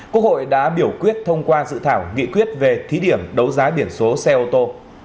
quốc hội đã biểu quyết thông qua dự thảo nghị quyết về thí điểm đấu giá biển số xe ô tô